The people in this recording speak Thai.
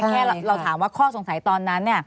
แค่เราถามว่าข้อสงสัยตอนนั้น